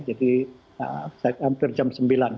jadi hampir jam sembilan